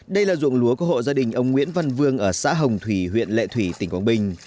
đây là ruộng lúa của hộ gia đình ông nguyễn văn vương ở xã hồng thủy huyện lệ thủy tỉnh quảng bình